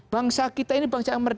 bangsa kita ini bangsa yang merde